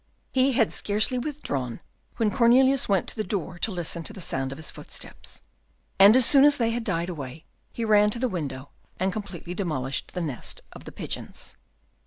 He had scarcely withdrawn, when Cornelius went to the door to listen to the sound of his footsteps, and, as soon as they had died away, he ran to the window, and completely demolished the nest of the pigeons.